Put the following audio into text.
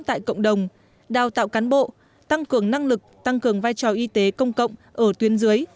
tại cộng đồng đào tạo cán bộ tăng cường năng lực tăng cường vai trò y tế công cộng ở tuyến dưới